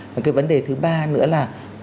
và cái vấn đề thứ ba nữa là